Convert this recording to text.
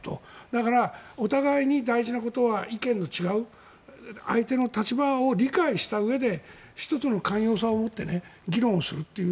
だからお互いに大事なことは意見の違う相手の立場を理解したうえで１つの寛容さを持って議論するという。